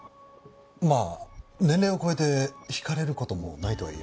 まあ年齢を超えて惹かれる事もないとは言えません。